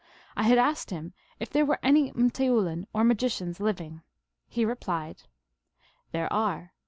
I had asked him if there were any m tSoulin, or magicians, living. He replied : "There are.